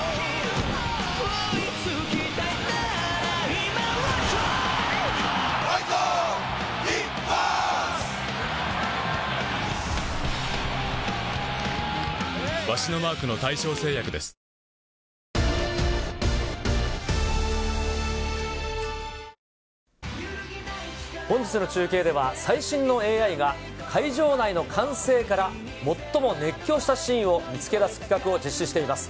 ＦｏｒＥａｒｔｈ，ＦｏｒＬｉｆｅＫｕｂｏｔａ本日の中継では、最新のＡＩが会場内の歓声から最も熱狂したシーンを見つけ出す企画を実施しています。